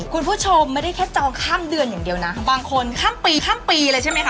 คุณผู้ชมไม่ได้แค่จองข้ามเดือนอย่างเดียวนะบางคนข้ามปีข้ามปีเลยใช่ไหมคะ